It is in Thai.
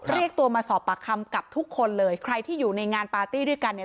เรียกตัวมาสอบปากคำกับทุกคนเลยใครที่อยู่ในงานปาร์ตี้ด้วยกันเนี่ย